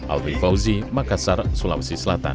albi fauzi makassar sulawesi selatan